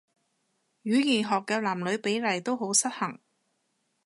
語言學嘅男女比例都好失衡